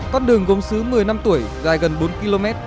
con đường gốm xứ một mươi năm tuổi dài gần bốn km